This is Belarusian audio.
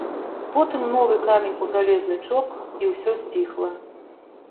Потым новы камень у жалезны чоп, і ўсё сціхла.